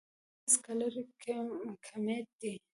چټکتيا سکالري کميت دی.